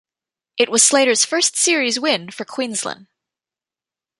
It was Slater's first series win for Queensland.